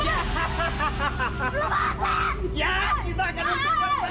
ya kita akan mengejar mereka